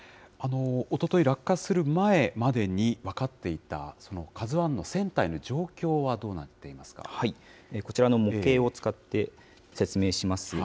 おととい落下する前までに分かっていたＫＡＺＵＩの船体のこちらの模型を使って説明します。